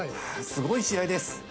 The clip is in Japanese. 「すごい試合です」。